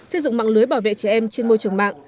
xây dựng mạng lưới bảo vệ trẻ em trên môi trường mạng